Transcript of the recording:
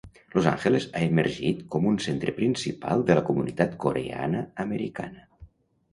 Los Angeles ha emergit com un centre principal de la comunitat coreana-americana.